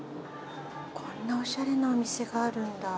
こんなおしゃれなお店があるんだ。